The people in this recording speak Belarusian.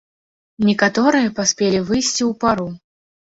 Некаторыя паспелі выйсці ў пару.